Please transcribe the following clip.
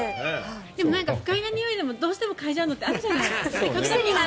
でも不快なにおいでもどうしても嗅いじゃうとかあるじゃない。